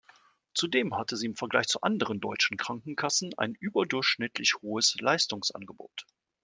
Zudem hatte sie im Vergleich zu anderen deutschen Krankenkassen ein überdurchschnittlich hohes Leistungsangebot.